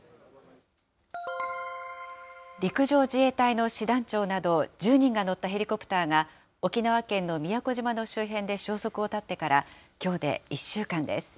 陸上自衛隊の師団長など１０人が乗ったヘリコプターが、沖縄県の宮古島の周辺で消息を絶ってからきょうで１週間です。